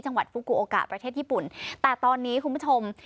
ฟุกูโอกะประเทศญี่ปุ่นแต่ตอนนี้คุณผู้ชม